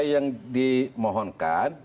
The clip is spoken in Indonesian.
itu yang dimohonkan